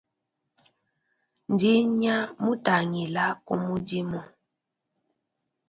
Ndinya, mutangila ku mudimu.